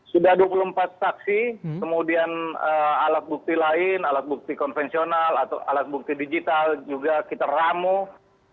sudah dua puluh empat saksi kemudian alat bukti lain alat bukti konvensional atau alat bukti digital juga kita ramuh